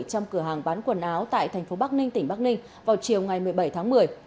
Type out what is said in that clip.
trong cửa hàng bán quần áo tại thành phố bắc ninh tỉnh bắc ninh vào chiều ngày một mươi bảy tháng một mươi